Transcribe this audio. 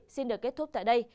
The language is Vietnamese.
xin được kết thúc tại đây